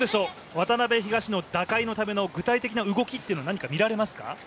渡辺・東野打開のための具体的な動きというのは、何か見られますか？